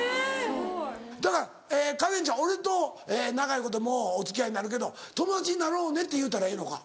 だからカレンちゃん俺と長いこともうお付き合いになるけど友達になろうねって言うたらええのか？